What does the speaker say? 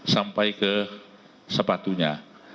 sampai ke sepatunya